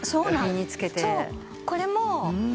これも。